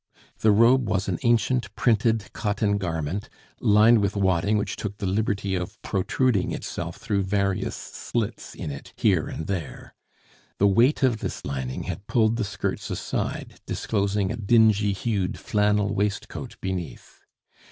The robe was an ancient printed cotton garment, lined with wadding which took the liberty of protruding itself through various slits in it here and there; the weight of this lining had pulled the skirts aside, disclosing a dingy hued flannel waistcoat beneath.